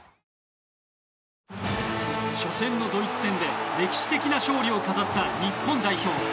初戦のドイツ戦で、歴史的な勝利を飾った日本代表。